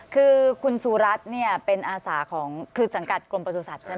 คือคุณสุรัตน์เนี่ยเป็นอาสาของคือสังกัดกรมประสุทธิ์ใช่ไหม